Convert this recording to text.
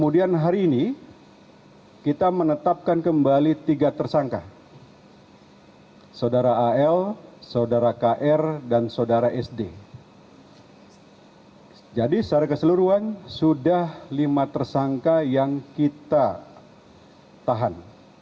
lima tersangka yang kita tahan